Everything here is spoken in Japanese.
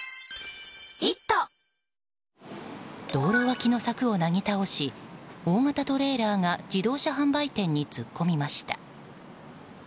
道路脇の柵をなぎ倒し大型トレーラーが自動車販売店に突っ込みました。